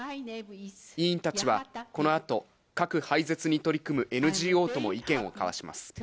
委員たちは、このあと、核廃絶に取り組むＮＧＯとも意見を交わします。